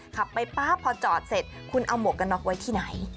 ขับไปป๊าบพอจอดเสร็จคุณเอาหมวกกันน็อกไว้ที่ไหน